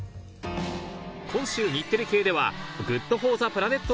今週日テレ系ではＧｏｏｄＦｏｒｔｈｅＰｌａｎｅｔ